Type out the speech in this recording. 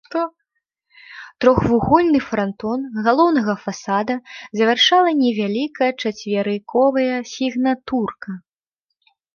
Трохвугольны франтон галоўнага фасада завяршала невялікая чацверыковая сігнатурка.